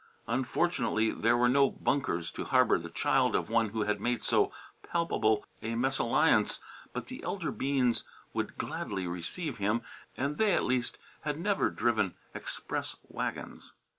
Unfortunately, there were no Bunkers to harbour the child of one who had made so palpable a mésalliance; but the elder Beans would gladly receive him, and they at least had never driven express wagons.